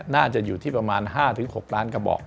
น่าจะอยู่ที่ประมาณ๕๖ล้านกระบอก